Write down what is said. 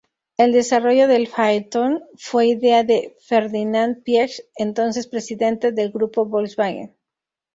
El desarrollo del Phaeton fue idea de Ferdinand Piëch, entonces Presidente del Grupo Volkswagen.